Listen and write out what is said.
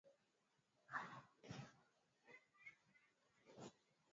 Alieleza atakutana na viongozi wa vyama vya siasa